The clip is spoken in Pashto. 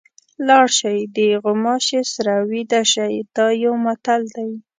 لاړ شئ د غوماشي سره ویده شئ دا یو متل دی.